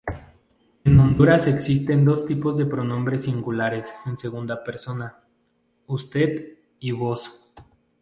En Honduras existen dos pronombres singulares en segunda persona: usted y vos.